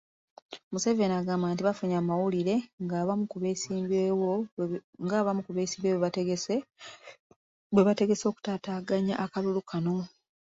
Museveni agamba nti bafunye amawulire ng'abamu ku beesimbyewo bwe bategese okutaataaganya akalulu kano